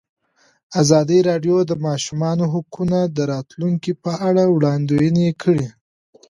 ازادي راډیو د د ماشومانو حقونه د راتلونکې په اړه وړاندوینې کړې.